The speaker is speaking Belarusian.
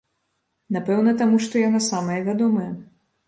Напэўна, таму што яна самая вядомая.